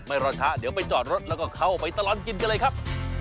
รอช้าเดี๋ยวไปจอดรถแล้วก็เข้าไปตลอดกินกันเลยครับ